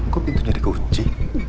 kok pintunya dikunci